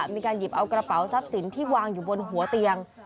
มีการหยิบเอากระเป๋าทรัพย์สินที่วางอยู่บนหัวเตียง